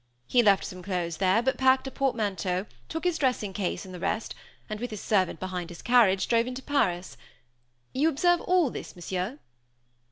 He left some clothes there, but packed a portmanteau, took his dressing case and the rest, and, with his servant behind his carriage, drove into Paris. You observe all this, Monsieur?"